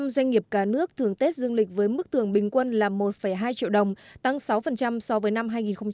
một mươi doanh nghiệp cả nước thường tết dương lịch với mức thưởng bình quân là một hai triệu đồng tăng sáu so với năm hai nghìn một mươi chín